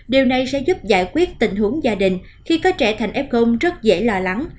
điều này sẽ giúp giải quyết tình huống gia đình khi có trẻ thành f gong rất dễ lo lắng